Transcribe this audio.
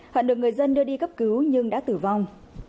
hận được người dân đưa đi cấp cứu nhưng đã tử vong